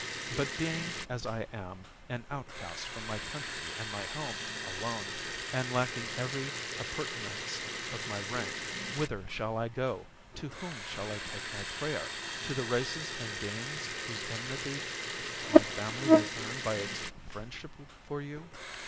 But being, as I am, an outcast from my country and my home, alone, and lacking every appurtenance of my rank, whither shall I go, to whom shall I take my prayer ? To the races and beings whose enmity my family has earned by its friendship for you